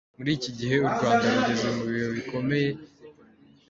Muri iki gihe u Rwanda rugeze mu bihe bikomeye.